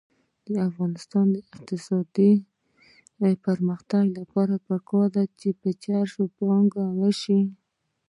د افغانستان د اقتصادي پرمختګ لپاره پکار ده چې پانګونه وشي.